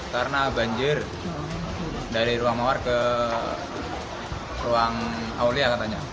karena banjir dari ruang mawar ke ruang awliya katanya